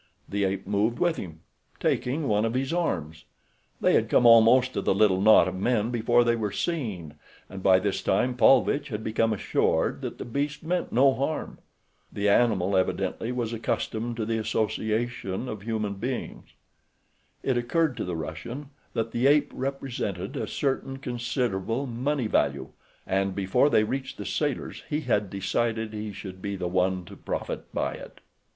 The ape moved with him, taking one of his arms. They had come almost to the little knot of men before they were seen, and by this time Paulvitch had become assured that the beast meant no harm. The animal evidently was accustomed to the association of human beings. It occurred to the Russian that the ape represented a certain considerable money value, and before they reached the sailors he had decided he should be the one to profit by it.